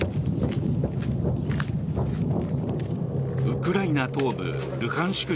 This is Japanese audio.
ウクライナ東部ルハンシク